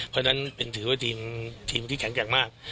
เพราะฉะนั้นถือว่าทีมที่แข็งแกร่งมาก